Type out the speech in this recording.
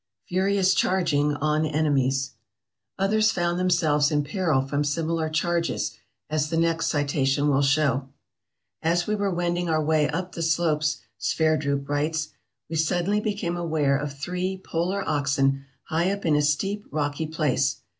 Furious Charging on Enemies Others found themselves in peril from similar charges, as the next citation will show: "As we were wending our way up the slopes," Sverdrup writes, "we suddenly became aware of three polar oxen high up in a steep, rocky place.